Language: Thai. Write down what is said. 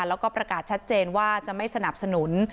แล้วก็ประกาศชัดเจนว่าจะไม่สนับสนุน